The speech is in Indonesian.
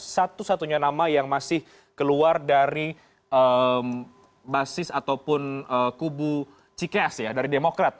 satu satunya nama yang masih keluar dari basis ataupun kubu cikes ya dari demokrat